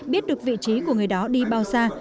biết được vị trí của người đó đi bao xa